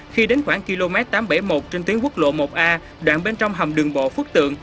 khi đến khoảng km tám trăm bảy mươi một trên tuyến quốc lộ một a đoạn bên trong hầm đường bộ phước tượng